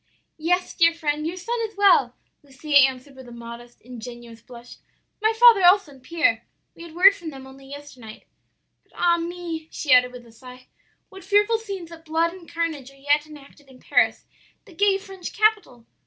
"'Yes, dear friend, your son is well,' Lucia answered with a modest, ingenuous blush; 'my father also, and Pierre; we had word from them only yesternight. But ah me!' she added with a sigh, 'what fearful scenes of blood and carnage are yet enacted in Paris, the gay French capital!